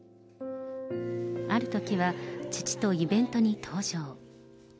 あるときは父とイベントに登場。